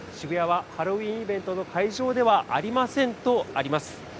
渋谷はハロウィーンイベントの会場ではありませんとあります。